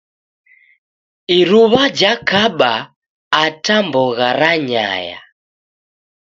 Iruw'a jakaba ata mbogha ranyaya.